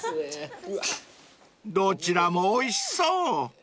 ［どちらもおいしそう］